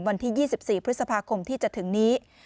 วันที่๒๔พฤษภาคมที่จะถึงนี้